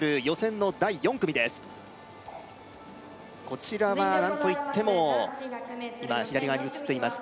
こちらは何と言っても今左側に映っています